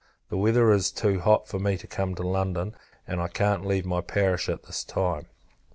The weather is too hot for me to come to London, and I can't leave my parish at this time.